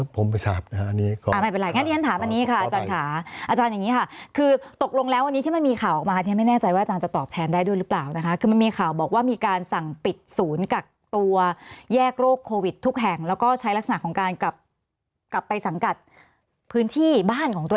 ผมไม่ทราบนะครับไม่เป็นไรงั้นที่ฉันถามอันนี้ค่ะอาจารย์ค่ะอาจารย์อย่างนี้ค่ะคือตกลงแล้ววันนี้ที่มันมีข่าวออกมาเนี่ยไม่แน่ใจว่าอาจารย์จะตอบแทนได้ด้วยหรือเปล่านะคะคือมันมีข่าวบอกว่ามีการสั่งปิดศูนย์กักตัวแยกโรคโควิดทุกแห่งแล้วก็ใช้ลักษณะของการกลับไปสังกัดพื้นที่บ้านของตัว